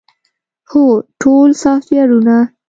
هو، ټول سافټویرونه